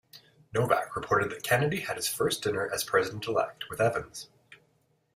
Novak reported that Kennedy had his first dinner as president-elect with Evans.